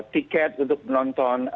tiket untuk menonton